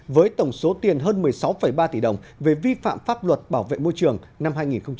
với tổng số tiền hơn một mươi sáu ba tỷ đồng về vi phạm pháp luật bảo vệ môi trường năm hai nghìn một mươi ba